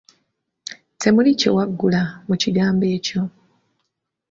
Temuli kyewaggula mu kigambo ekyo.